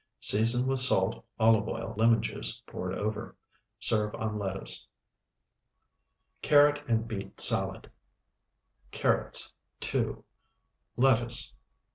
Season with salt, olive oil, and lemon juice poured over. Serve on lettuce. CARROT AND BEET SALAD Carrots, 2. Lettuce.